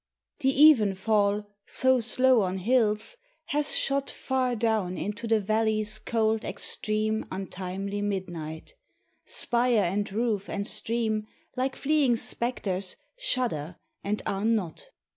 The evenfall, so slow on hills, hath shot Far down into the valley's cold extreme, Untimely midnight; spire and roof and stream Like fleeing spectres, shudder and are not.